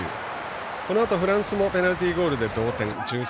このあとフランスもペナルティーゴールで同点。